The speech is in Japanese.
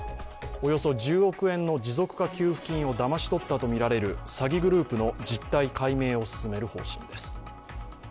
およそ１０億円の持続化給付金をだまし取ったとみられる詐欺グループの実態解明を進める方針です。